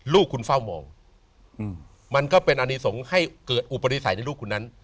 ลูกคุณเฝ้ามองมันก็เป็นอนิสงฆ์ให้เกิดอุปนิสัยในลูกคุณนั้น